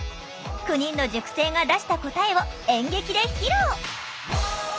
９人の塾生が出した答えを演劇で披露！